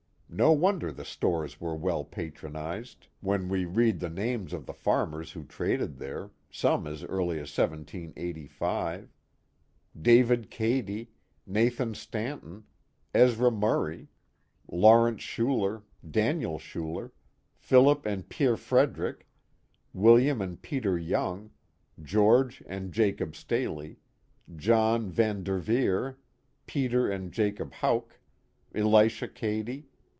No wonder the stores were well patronized, when wc read the names of the farmers who traded there, some as early as 1785: David Cady, Nathan Stanton, Ezra Murray, Law rence Schuler. Daniel Schuler, Philip and Peer Frederick, William and Peter Young, George and Jacob Staley, John Van Dcrveer, Peter and Jacob Houck. ElishaCady.